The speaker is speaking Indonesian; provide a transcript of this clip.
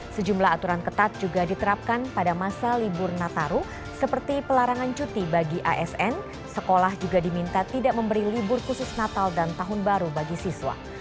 sejumlah aturan ketat juga diterapkan pada masa libur nataru seperti pelarangan cuti bagi asn sekolah juga diminta tidak memberi libur khusus natal dan tahun baru bagi siswa